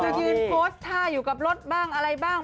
ยืนโพสต์ท่าอยู่กับรถบ้างอะไรบ้าง